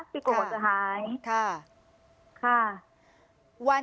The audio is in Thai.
พี่กลัวว่าจะหาย